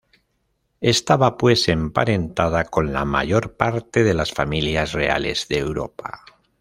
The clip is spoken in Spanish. Estaba pues emparentada con la mayor parte de las familias reales de Europa.